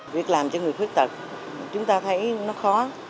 việc làm cho người khuyết tật chúng ta thấy nó khó